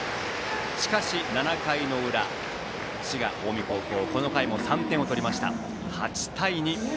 しかし、７回の裏滋賀・近江高校この回も３点を取り、８対２。